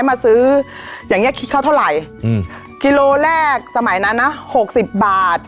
มาซื้ออย่างเงี้คิดเขาเท่าไหร่อืมกิโลแรกสมัยนั้นนะหกสิบบาท